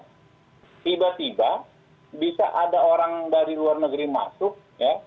tiba tiba bisa ada orang dari luar negeri masuk ya